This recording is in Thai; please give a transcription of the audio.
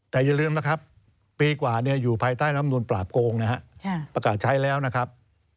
แต่อย่าลืมนะครับปีกว่าอยู่ภายใต้น้ำนูนปราบโกงนะฮะประกาศใช้แล้วนะครับ